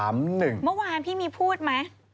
เมื่อวานพี่มีพูดไหม